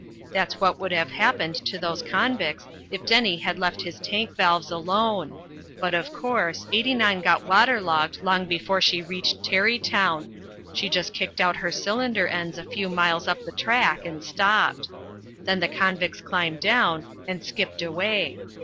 That's what would have happened to those convicts if Denny had left his tank valves alone, but, of course, 89 got water logged long before she reached Tarrytown; she just kicked out her cylinder ends a few miles up the track and stopped. Then the convicts climbed down and skipped away.